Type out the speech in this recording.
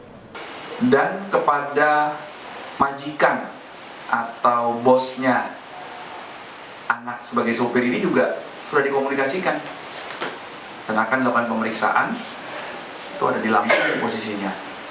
sudah dikomunikasikan dan akan lakukan pemeriksaan itu ada di lampung posisinya